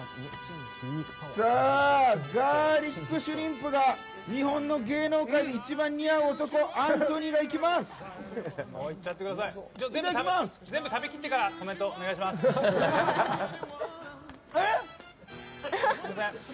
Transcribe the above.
ガーリックシュリンプが日本の芸能界に一番似合う男アントニーがいきます！